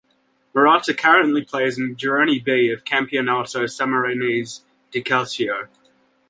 Murata currently plays in "Girone B" of Campionato Sammarinese di Calcio.